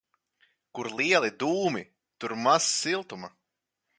Kur lieli dūmi, tur maz siltuma.